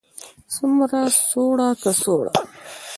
څومره, څوړه، کڅوړه